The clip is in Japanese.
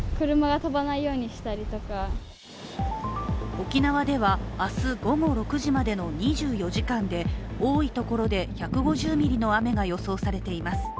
沖縄では、明日午後６時までの２４時間で多いところで１５０ミリの雨が予想されています。